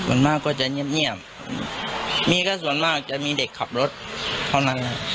มันมากก็จะเงียบเงียบมีก็ส่วนมากจะมีเด็กขับรถเท่านั้นแหละ